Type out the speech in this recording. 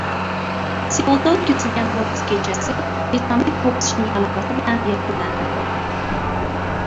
Seulda o‘tkazilgan boks kechasi vyetnamlik bokschining g‘alabasi bilan yakunlandi